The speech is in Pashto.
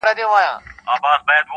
o هیله پوره د مخلص هره سي چي,